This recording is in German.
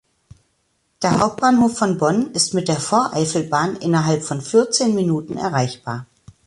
Der Hauptbahnhof von Bonn ist mit der Voreifelbahn innerhalb von vierzehn Minuten erreichbar.